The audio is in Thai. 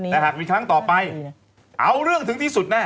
แต่หากมีครั้งต่อไปเอาเรื่องถึงที่สุดแน่